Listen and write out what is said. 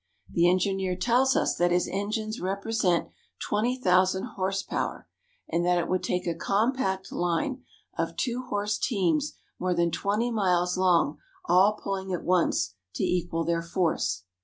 The engineer tells us that his engines represent twenty thousand horse power, and that it would take a compact line of two horse teams more than twenty miles long all pulling at once to equal their force.